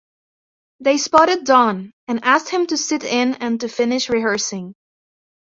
They spotted Don and asked him to sit in and to finish rehearsing.